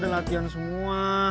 kita udah latihan semua